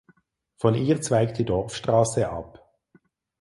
Von ihr zweigt die Dorfstraße ab.